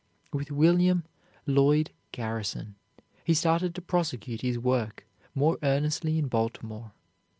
With William Lloyd Garrison, he started to prosecute his work more earnestly in Baltimore.